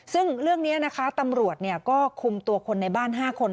ซึ่งเรื่องนี้นะคะตำรวจก็คุมตัวคนในบ้าน๕คน